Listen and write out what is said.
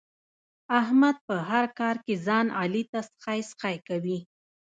احمد په هر کار کې ځان علي ته سخی سخی کوي.